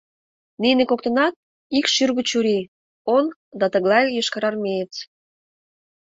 Нине коктынат — ик шӱргӧ чурий: он да тыглай йошкарармеец!